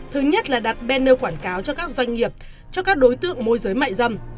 thứ nhất là đặt bennner quảng cáo cho các doanh nghiệp cho các đối tượng môi giới mại dâm